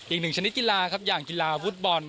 อีกหนึ่งชนิดกีฬาครับอย่างกีฬาฟุตบอล